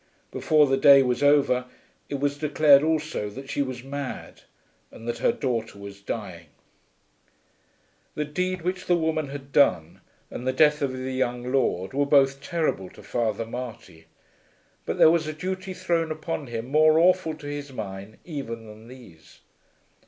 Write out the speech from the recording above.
Before the day was over it was declared also that she was mad, and that her daughter was dying. The deed which the woman had done and the death of the young lord were both terrible to Father Marty; but there was a duty thrown upon him more awful to his mind even than these.